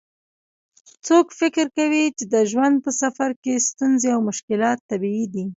څوک فکر کوي چې د ژوند په سفر کې ستونزې او مشکلات طبیعي دي